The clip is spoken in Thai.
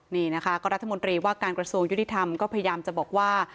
นี่นะคะก็รัฐมนตรีว่าการกระทรวงยุติธรรมก็พยายามจะบอกว่า